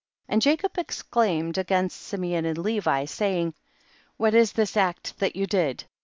51. And Jacob exclaimed against Simeon and Levi, saying, what is this act that you did